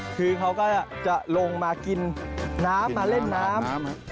คือเขาก็จะลงมากินน้ำมาเล่นน้ำ